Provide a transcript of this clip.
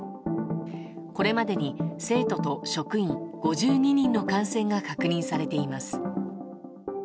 これまでに生徒と職員５２人の感染が確認されています。